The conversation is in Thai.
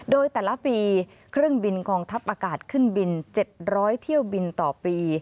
โดยแต่ละปีเครื่องบินกองทัพอากาศขึ้นบิน๗๐๐เที่ยวบินต่อปี